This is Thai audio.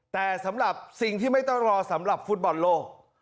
แต่สำหรับสิ่งที่ไม่ต้องรอสำหรับฟุตบอลโลก